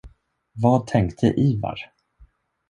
Vad tänkte Ivar?